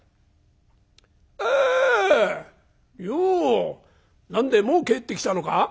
「よう何でえもう帰ってきたのか？